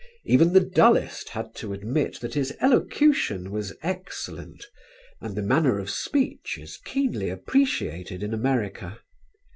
Even the dullest had to admit that his elocution was excellent, and the manner of speech is keenly appreciated in America.